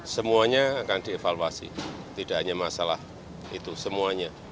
semuanya akan dievaluasi tidak hanya masalah itu semuanya